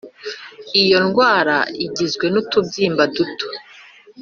Iyo ndwara igizwe nutubyimba duto